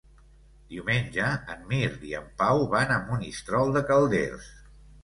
Diumenge en Mirt i en Pau van a Monistrol de Calders.